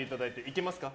いけますか。